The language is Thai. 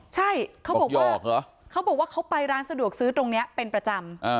ใช่เขาบอกว่าเขาบอกว่าเขาไปร้านสะดวกซื้อตรงนี้เป็นประจำ